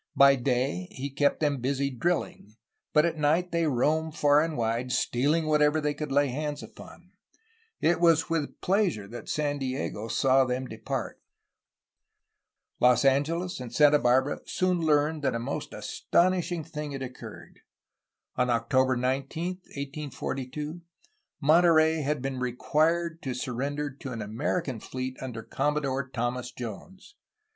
By day he kept them busy drilling, but at night they roamed far and wide, stealing whatever they could lay hands upon. It was with pleasure that San Diego saw them depart. Los Angeles and Santa Barbara soon learned that a most aston WAITING FOR OLD GLORY, 1835 1847 481 ishing thing had occurred. On October 19, 1842, Monterey had been required to surrender to an American fleet under Commodore Thomas Jones.